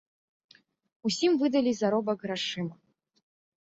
Усім выдалі заробак грашыма.